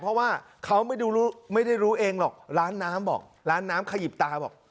เพราะว่าเขาไม่ได้รู้เองหรอกร้านน้ำบอกร้านน้ำขยิบตาบอก